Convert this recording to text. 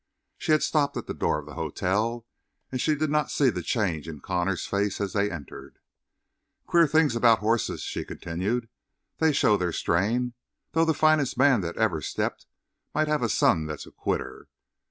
She had stopped at the door of the hotel and she did not see the change in Connor's face as they entered. "Queer thing about horses," she continued. "They show their strain, though the finest man that ever stepped might have a son that's a quitter.